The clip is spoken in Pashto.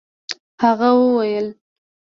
هغه وويل.